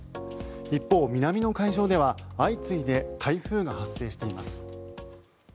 一方、南の海上では相次いで台風が発生しています。